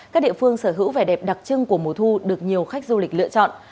các địa phương sở hữu vẻ đẹp đặc trưng của mùa thu được nhiều khách du lịch lựa chọn